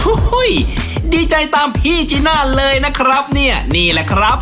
โอ้โหดีใจตามพี่จีน่าเลยนะครับเนี่ยนี่แหละครับ